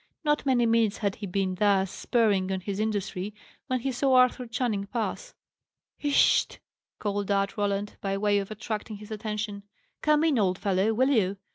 Not many minutes had he been thus spurring on his industry, when he saw Arthur Channing pass. "Hist st st!" called out Roland, by way of attracting his attention. "Come in, old fellow, will you?